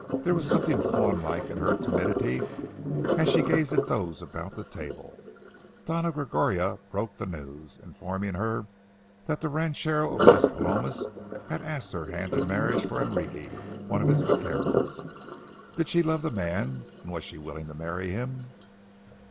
There was something fawnlike in her timidity as she gazed at those about the table. Doña Gregoria broke the news, informing her that the ranchero of Las Palomas had asked her hand in marriage for Enrique, one of his vaqueros. Did she love the man and was she willing to marry him?